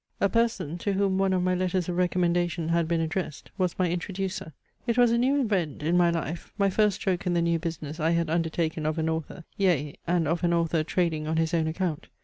A person, to whom one of my letters of recommendation had been addressed, was my introducer. It was a new event in my life, my first stroke in the new business I had undertaken of an author, yea, and of an author trading on his own account.